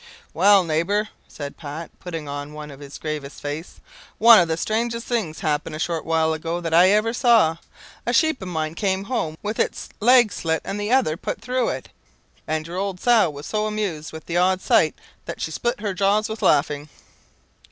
"'Well, neighbour,' said Pat, putting on one of his gravest faces, 'one of the strangest things happened a short while ago that I ever saw. A sheep of mine came home with its leg slit and the other put through it, and your old sow was so amused with the odd sight that she split her jaws with laughing.'"